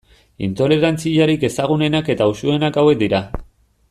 Intolerantziarik ezagunenak eta usuenak hauek dira.